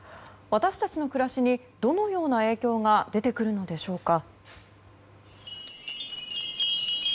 私たちの暮らしにどのような影響が出てくるのでしょうか。